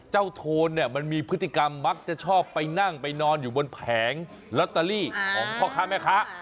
โทนเนี่ยมันมีพฤติกรรมมักจะชอบไปนั่งไปนอนอยู่บนแผงลอตเตอรี่ของพ่อค้าแม่ค้า